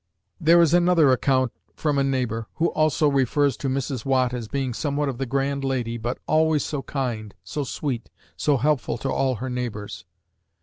There is another account from a neighbor, who also refers to Mrs. Watt as being somewhat of the grand lady, but always so kind, so sweet, so helpful to all her neighbors.